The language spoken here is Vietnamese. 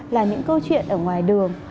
là những câu chuyện ở ngoài đường